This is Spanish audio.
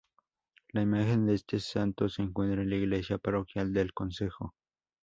La imagen de este santo se encuentra en la iglesia parroquial del concejo.